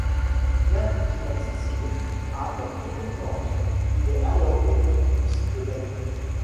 Bien qu'inaccessible à notre compréhension il est alors beaucoup plus que l'être.